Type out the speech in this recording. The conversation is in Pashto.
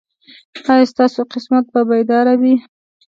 ایا ستاسو قسمت به بیدار وي؟